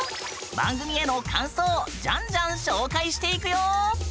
番組への感想じゃんじゃん紹介していくよ！